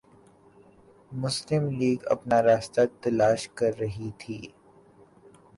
مسلم لیگ اپنا راستہ تلاش کررہی تھی۔